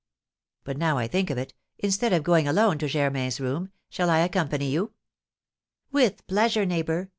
But, now I think of it, instead of going alone to Germain's room, shall I accompany you?" "With pleasure, neighbour.